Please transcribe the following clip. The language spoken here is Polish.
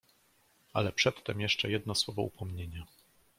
"Ale przedtem jeszcze jedno słowo upomnienia!"